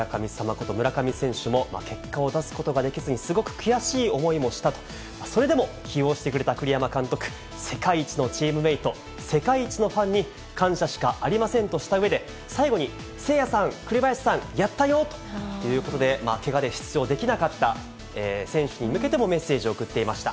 こと村上選手も、結果を出すことができずにすごく悔しい思いもしたと、それでも起用してくれた栗山監督、世界一のチームメート、世界一のファンに感謝しかありませんとしたうえで、最後に、誠也さん、栗林さん、やったよということで、けがで出場できなかった選手に向けてもメッセージを送っていました。